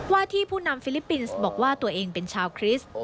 ที่ผู้นำฟิลิปปินส์บอกว่าตัวเองเป็นชาวคริสต์